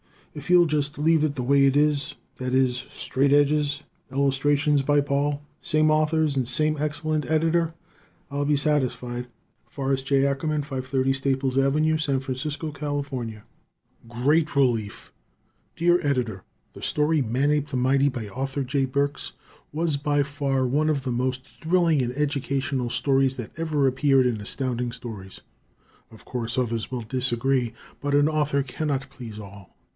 If you'll just leave it the way it is i. e., straight edges, illustrations by Paul, same authors and same excellent Editor I'll be satisfied. Forrest J. Ackerman, 530 Staples Ave., San Francisco, Cal. "Great Relief" Dear Editor: The story, "Manape the Mighty," by Arthur J. Burks, was by far one of the most thrilling and educational stories that ever appeared in Astounding Stories. Of course, others will disagree, but an Author cannot please all.